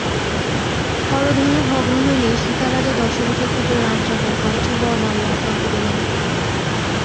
হরধনু ভগ্ন হইলে সীতা রাজা দশরথের পুত্র রামচন্দ্রের কণ্ঠে বরমাল্য অর্পণ করিলেন।